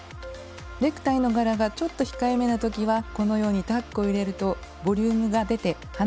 ネクタイの柄がちょっと控えめな時はこのようにタックを入れるとボリュームが出て華やかになります。